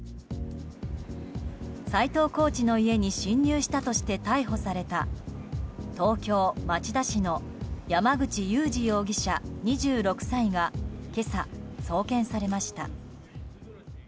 斎藤コーチの家に侵入したとして逮捕された東京・町田市の山口祐司容疑者、２６歳が今朝、送検されました。